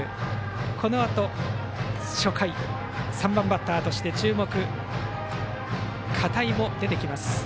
このあと初回３番バッターとして注目の片井も出てきます